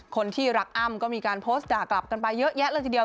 คนที่รักอ้ำก็มีการโพสต์ด่ากลับกันไปเยอะแยะเลยทีเดียว